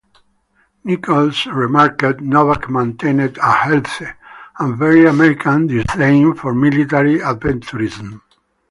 Nichols remarked, Novak maintained a healthy, and very American, disdain for military adventurism.